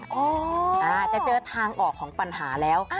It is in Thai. แต่เจอทางออกของปัญหาแล้ว